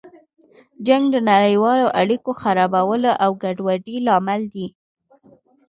جنګ د نړیوالو اړیکو خرابولو او ګډوډۍ لامل دی.